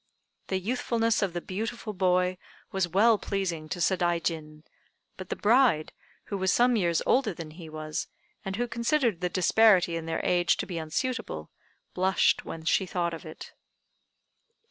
The youthfulness of the beautiful boy was well pleasing to Sadaijin; but the bride, who was some years older than he was, and who considered the disparity in their age to be unsuitable, blushed when she thought of it.